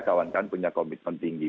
kawan kawan punya komitmen tinggi